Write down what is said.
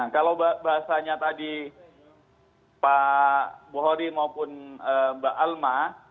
kalau bahasanya tadi pak buhori maupun mbak alma